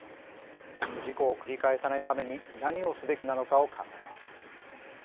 事故を繰り返さないために何をすべきなのかを考えます。